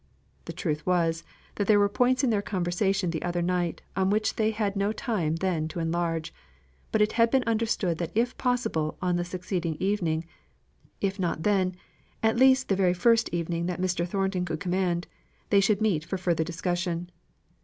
The truth was, that there were points in their conversation the other night on which they had no time then to enlarge; but it had been understood that if possible on the succeeding evening if not then, at least the very first evening that Mr. Thornton could command, they should meet for further discussion.